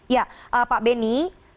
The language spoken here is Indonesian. ya pak beni